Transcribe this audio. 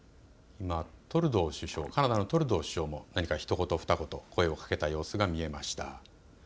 カナダのトルドー首相も何かひと言ふた言声をかけた様子が見えました。